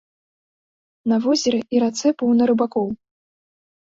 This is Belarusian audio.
На возеры і рацэ поўна рыбакоў.